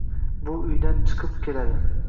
Buvi uydan chikib keladi